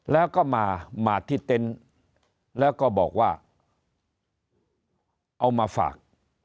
แล้วก็มามาที่เต็นต์แล้วก็บอกว่าเอามาฝาก